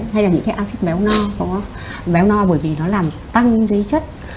hay là những cái acid béo no béo no bởi vì nó làm tăng cái chất